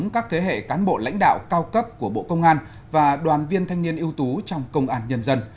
các thế hệ cán bộ lãnh đạo cao cấp của bộ công an và đoàn viên thanh niên ưu tú trong công an nhân dân